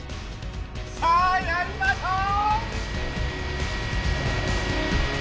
さあやりましょう！